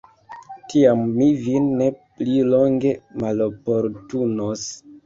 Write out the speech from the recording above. Tiam mi vin ne pli longe maloportunos.